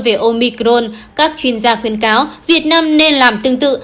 về omicron các chuyên gia khuyên cáo việt nam nên làm tương tự